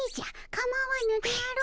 かまわぬであろう。